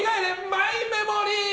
マイメモリー。